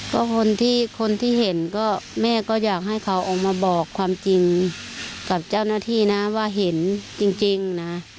ก็คนที่คนที่เห็นก็แม่ก็อยากให้เขาออกมาบอกความจริงกับเจ้าหน้าที่นะว่าเห็นจริงนะ